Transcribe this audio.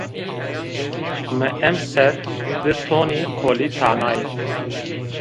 Ma emser di tonî kolî tanayî